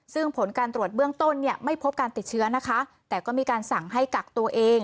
ซึ่งผลการตรวจเบื้องต้นเนี่ยไม่พบการติดเชื้อนะคะแต่ก็มีการสั่งให้กักตัวเอง